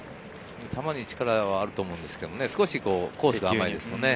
球に力はあると思うんですけど、少しコースが甘いですよね。